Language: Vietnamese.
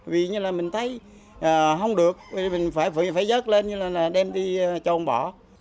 vì như là mình thấy không được mình phải dớt lên như là đem đi cho ông bỏ